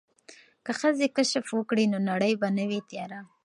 که ښځې کشف وکړي نو نړۍ به نه وي تیاره.